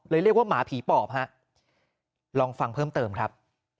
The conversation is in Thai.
เรียกว่าหมาผีปอบฮะลองฟังเพิ่มเติมครับ